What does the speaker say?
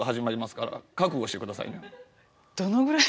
どのぐらい？